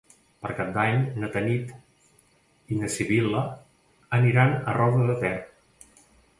Per Cap d'Any na Tanit i na Sibil·la aniran a Roda de Ter.